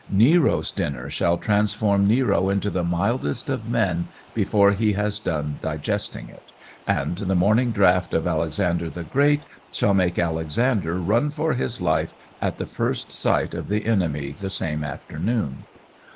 Nero's dinner shall transform Nero into the mildest of men before he has done digesting it, and the morning draught of Alexander the Great shall make Alexander run for his life at the first sight of the enemy the same afternoon.